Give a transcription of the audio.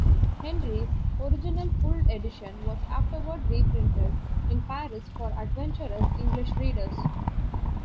Henry's original full edition was afterward reprinted in Paris for adventurous English readers.